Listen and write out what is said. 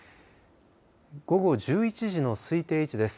午後１１時の推定位置です。